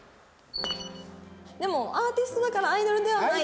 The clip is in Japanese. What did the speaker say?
でもアーティストだからアイドルではない？